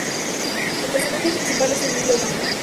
El personaje principal es Emilio Gauna.